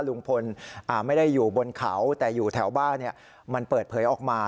ลุงพลไม่ได้อยู่บนเขาแต่อยู่แถวบ้านมันเปิดเผยออกมา